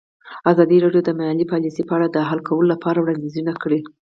ازادي راډیو د مالي پالیسي په اړه د حل کولو لپاره وړاندیزونه کړي.